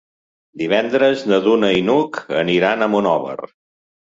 Divendres na Duna i n'Hug aniran a Monòver.